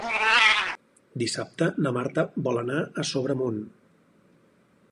Dissabte na Marta vol anar a Sobremunt.